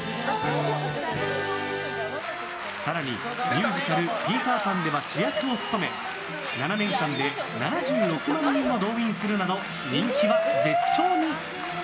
更に、ミュージカル「ピーター・パン」では主役を務め７年間で７６万人を動員するなど人気は絶頂に！